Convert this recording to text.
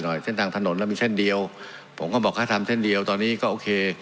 เพราะว่าเส้นทางถนนมันมีเส้นเดียวผมก็บอกถ้าทำเส้นเดียวตอนนี้ก็โอเค